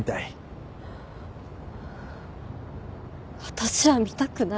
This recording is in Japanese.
私は見たくない。